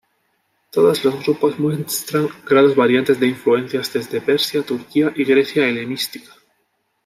Todos los grupos muestran grados variantes de influencias desde Persia, Turquía y Grecia helenística.